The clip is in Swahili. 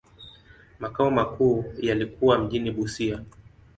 Makao makuu yalikuwa mjini Busia.